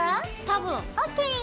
多分。ＯＫ！